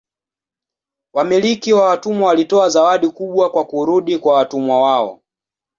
Wamiliki wa watumwa walitoa zawadi kubwa kwa kurudi kwa watumwa wao.